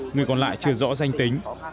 người còn lại chưa rõ danh tính